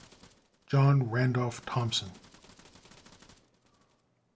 JOHN RANDOLPH THOMPSON.